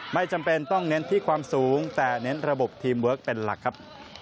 ไม่จำเป็นต้องเน้นที่ความสูงแต่เน้นระบบทีมเวิร์คเป็นหลักครับ